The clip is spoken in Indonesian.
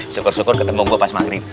syukur syukur ketemu gue pas maghrib